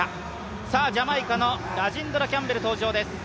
ジャマイカのラジンドラ・キャンベル登場です。